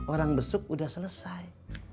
orang besuk udah selesai